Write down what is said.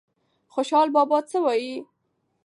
خوشال بابا څه وایي؟